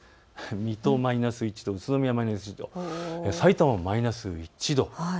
水戸マイナス１度、宇都宮マイナス１度、さいたまもマイナス１度。